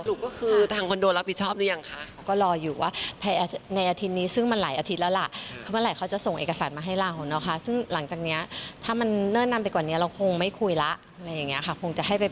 ศูนย์เดี๋ยวก็คือตั่งคอนโดเราผิดชอบหรือยังคะ